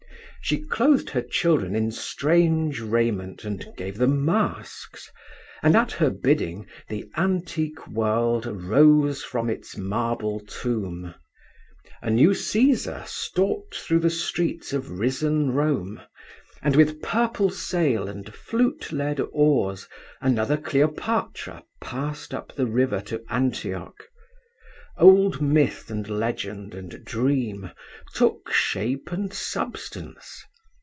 She clothed her children in strange raiment and gave them masks, and at her bidding the antique world rose from its marble tomb. A new Cæsar stalked through the streets of risen Rome, and with purple sail and flute led oars another Cleopatra passed up the river to Antioch. Old myth and legend and dream took shape and substance.